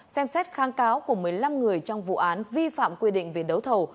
xem xét kháng cáo của một mươi năm người trong vụ án vi phạm quy định về đấu thầu